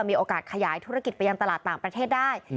มีโอกาสขยายธุรกิจไปยังตลาดต่างประเทศได้